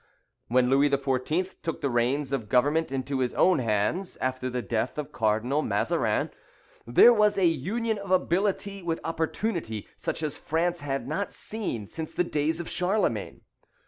When Louis XIV. took the reins of government into his own hands, after the death of Cardinal Mazarin, there was a union of ability with opportunity, such as France had not seen since the days of Charlemagne.